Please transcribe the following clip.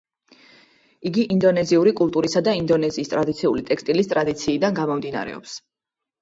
იგი ინდონეზიური კულტურისა და ინდონეზიის ტრადიციული ტექსტილის ტრადიციიდან გამომდინარეობს.